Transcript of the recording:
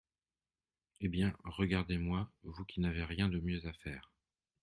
Eh bien, regardez-moi, vous qui n’avez rien de mieux à faire !